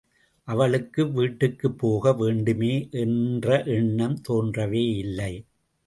அவளுக்கு வீட்டுக்குப் போக வேண்டுமே என்ற எண்ணம் தோன்றவேயில்லை.